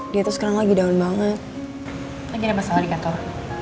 dia tuh sekarang lagi down banget lagi ada masalah di kantor